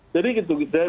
jadi gitu gitu